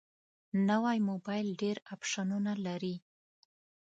نوی موبایل ډېر اپشنونه لري